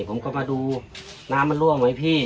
ผมก็มาดูน้ำมันรั่วไหมพี่